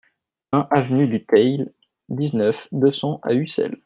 un avenue du Theil, dix-neuf, deux cents à Ussel